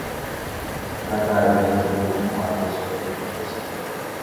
Araka'eve ndacherayhumo'ãi ko che rohayhuháicha